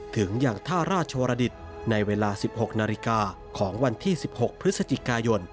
ถึงอย่างท่าราชวรดิตในเวลา๑๖นาฬิกาของวันที่๑๖พฤศจิกายน